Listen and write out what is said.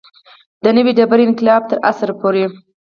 د نوې ډبرې انقلاب تر عصر پورې.